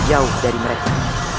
jauh dari mereka